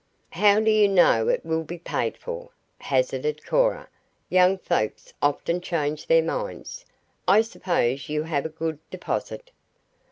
"How do you know it will be paid for?" hazarded Cora. "Young folks often change their minds. I suppose you have a good deposit?"